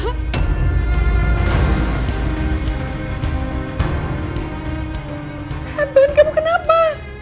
abel kamu kenapa